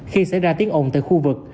khi xảy ra tiếng ồn tại khu vực